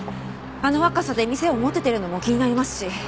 あの若さで店を持ててるのも気になりますし。